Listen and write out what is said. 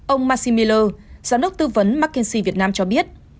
ông maxi miller giám đốc tư vấn mckinsey việt nam cho biết